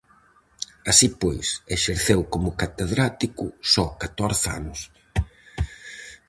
Así pois, exerceu como catedrático só catorce anos.